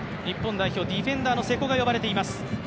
ディフェンダーの瀬古が呼ばれています。